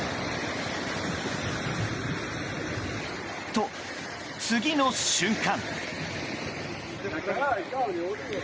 と、次の瞬間。